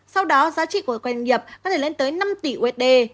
sau đó giá trị của doanh nghiệp có thể lên tới năm tỷ usd